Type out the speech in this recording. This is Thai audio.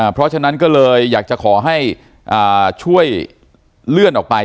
เพราะฉะนั้นก็เลยอยากจะขอให้ช่วยเลื่อนออกไป